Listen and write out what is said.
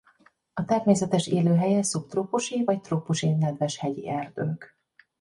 A természetes élőhelye szubtrópusi vagy trópusi nedves hegyi erdők.